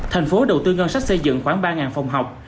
thành phố đầu tư ngân sách xây dựng khoảng ba phòng học